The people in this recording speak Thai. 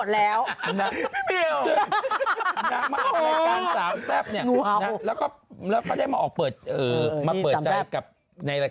แล้วก็ใส่